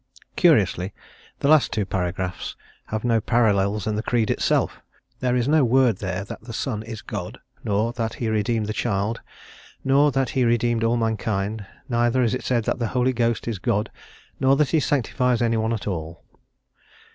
Curiously, the last two paragraphs have no parallels in the creed itself; there is no word there that the Son is God, nor that he redeemed the child, nor that he redeemed all mankind; neither is it said that the Holy Ghost is God, nor that he sanctifies anyone at all.